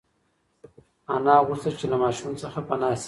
انا غوښتل چې له ماشوم څخه پنا شي.